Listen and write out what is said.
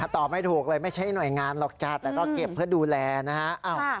ตอบไม่ถูกเลยไม่ใช่หน่วยงานหรอกจัดแต่ก็เก็บเพื่อดูแลนะฮะ